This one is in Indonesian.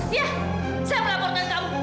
ya saya melaporkan kamu